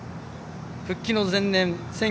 復帰の前年